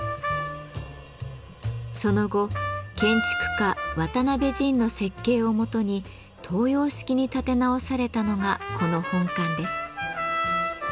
その後建築家・渡辺仁の設計をもとに東洋式に建て直されたのがこの本館です。